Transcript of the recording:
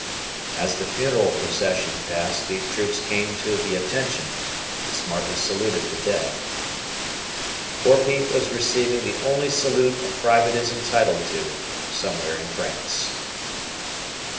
As the funeral procession passed, these troops came to the "attention," and smartly saluted the dead. Poor Pete was receiving the only salute a Private is entitled to "somewhere in France."